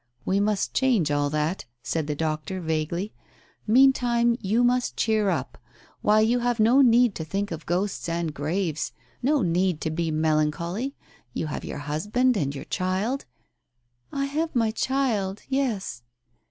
"We must change all that," said the doctor vaguely. " Meantime you must cheer up. Why, you have no need to think of ghosts and graves — no need to be melancholy — you have your husband and your child "" I have my child — yes."